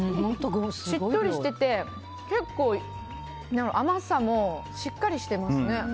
しっとりしてて結構甘さもしっかりしてますね。